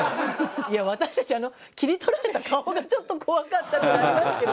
いや私たちあの切り取られた顔がちょっと怖かったってありますけど。